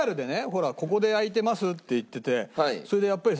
ほらここで焼いてますって言っててそれでやっぱり